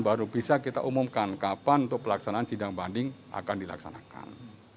baru bisa kita umumkan kapan untuk pelaksanaan sidang banding akan dilaksanakan